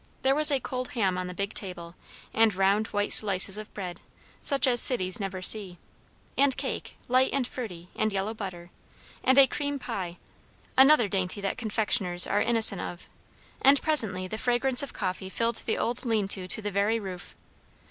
There was a cold ham on the big table; and round white slices of bread, such as cities never see; and cake, light and fruity; and yellow butter; and a cream pie, another dainty that confectioners are innocent of; and presently the fragrance of coffee filled the old lean to to the very roof.